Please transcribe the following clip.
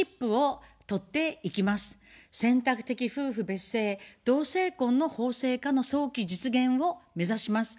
選択的夫婦別姓、同性婚の法制化の早期実現を目指します。